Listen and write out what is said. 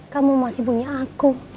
kamu masih punya aku